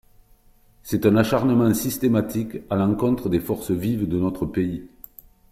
C’est un acharnement systématique à l’encontre des forces vives de notre pays.